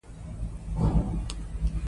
مزارشریف د افغانستان د کلتوري میراث برخه ده.